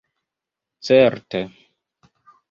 Certe!